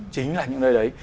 chính là những nơi đấy